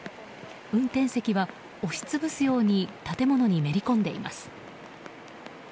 運転席は押しつぶすように建物にめり込んでいます。